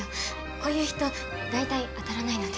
こういう人大体当たらないので。